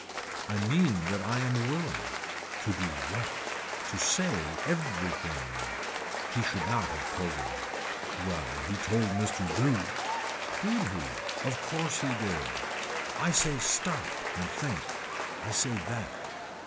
I mean that I am willing. To do what. To say everything. He should not have told him. Well he told Mr. Doux. Did he. Of course he did. I say stop and think. I say that.